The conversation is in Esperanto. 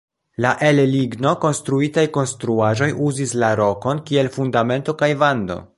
La el ligno konstruitaj konstruaĵoj uzis la rokon kiel fundamento kaj vando.